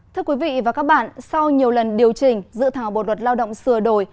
thưa quý vị và các bạn sau nhiều lần điều chỉnh dự thảo bộ luật lao động sửa đổi